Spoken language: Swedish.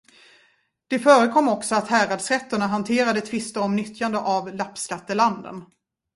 Det förekom också att häradsrätterna hanterade tvister om nyttjande av lappskattelanden.